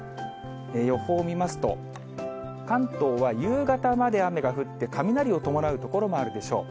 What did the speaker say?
予報を見ますと、関東は夕方まで雨が降って、雷を伴う所もあるでしょう。